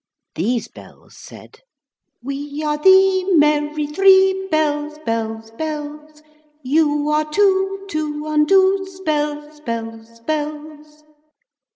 These bells said: We are the Merry three Bells, bells, bells. You are two To undo Spells, spells, spells...